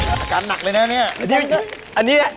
อาการหนักเลยนะอันนี้